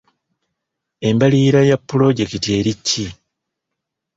Embalirira ya pulojekiti eri ki?